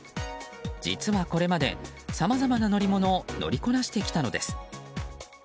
実は、これまでさまざまな乗り物を乗りこなしてきたのです。